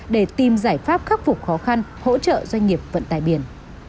để tìm giải pháp khắc phục khó khăn hỗ trợ doanh nghiệp vận tải biển